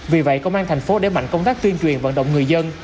vì vậy công an tp hcm đã mạnh công tác tuyên truyền vận động người dân